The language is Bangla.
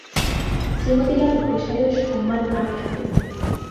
শ্রীমোতিলাল ঘোষাল-এর সম্মান আর থাকে না।